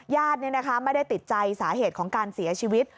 ญาติไม่ได้ติดใจสาเหตุของการเสียชีวิต